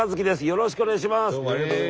よろしくお願いします！